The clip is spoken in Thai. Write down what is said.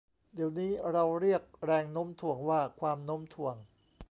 เดี๋ยวนี้เราเรียกแรงโน้มถ่วงว่า ความโน้มถ่วง